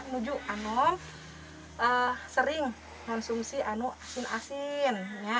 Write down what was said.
menuju ke situ sering konsumsi asin asin